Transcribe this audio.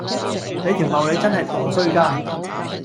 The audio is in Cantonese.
你條茂利真係陀衰家